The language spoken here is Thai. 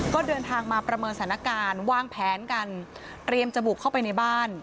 ก็เดินทางมาประเมินสถานการณ์วางแผนกันเตรียมจะบุกเข้าไปในบ้าน